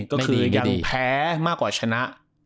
ก็คือยังแพ้มากกว่าชนะ